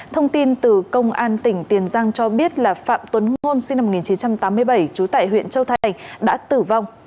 thông tin từ công an tỉnh tiền giang cho biết là phạm tuấn ngôn sinh năm một nghìn chín trăm tám mươi bảy trú tại huyện châu thành đã tử vong